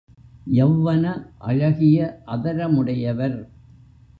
யவ்வன அழகிய அதரமுடையவர்!